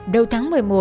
đầu tháng một mươi một